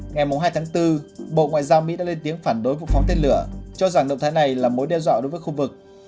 ngày hai tháng bốn bộ ngoại giao mỹ đã lên tiếng phản đối vụ phóng tên lửa cho rằng động thái này là mối đe dọa đối với khu vực